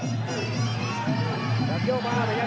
จะเกี่ยวมากเลยครับ